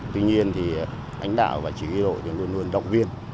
tuy nhiên thì đánh đạo và chỉ huy đội luôn luôn động viên